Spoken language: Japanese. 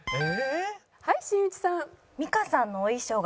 はい新内さん。